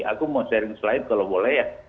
aku mau sharing slide kalau boleh ya